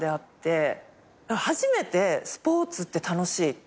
初めてスポーツって楽しい。